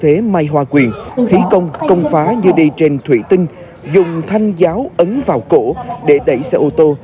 thế mai hòa quyền khí công công phá như đi trên thủy tinh dùng thanh giáo ấn vào cổ để đẩy xe ô tô